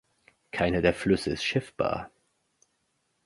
Keiner der Flüsse ist schiffbar.